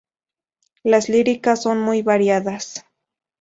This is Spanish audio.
Las líricas son muy variadas.